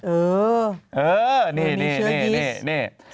เออมีเชื้อยีส